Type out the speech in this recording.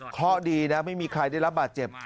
เพราะดีนะไม่มีใครได้รับบาดเจ็บ